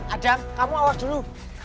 adam kamu awas dulu